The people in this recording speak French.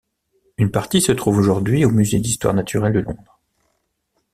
Une partie se trouve aujourd'hui au musée d'histoire naturelle de Londres.